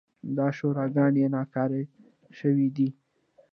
دا شوراګانې ناکاره شوې دي.